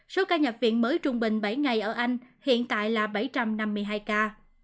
số ca nhập viện mới trung bình bảy ngày ở anh hiện tại là bảy trăm năm mươi hai ca